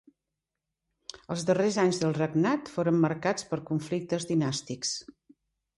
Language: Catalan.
Els darrers anys del regnat foren marcats per conflictes dinàstics.